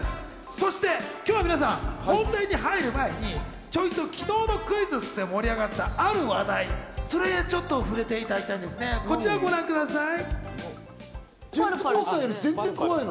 そして今日は皆さん、本編に入る前に昨日のクイズッスで盛り上がったある話題、それちょっと触れていただきたいんですね、こちらをご覧ください。